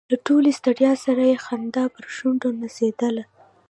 له ټولې ستړیا سره یې خندا پر شونډو نڅېدله.